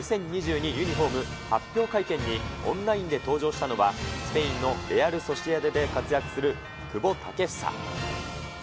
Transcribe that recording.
ユニホーム発表会見に、オンラインで登場したのは、スペインのレアル・ソシエダで活躍する、久保建英。